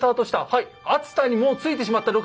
はい熱田にもう着いてしまった６月。